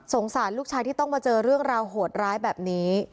สารลูกชายที่ต้องมาเจอเรื่องราวโหดร้ายแบบนี้